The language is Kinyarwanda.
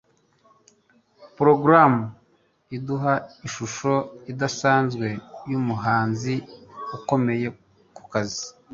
Porogaramu iduha ishusho idasanzwe yumuhanzi ukomeye kukazi